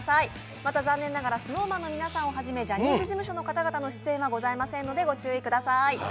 また残念ながらＳｎｏｗＭａｎの皆さんをはじめ、ジャニーズ事務所の皆さんの出演はございませんので、ご注意ください。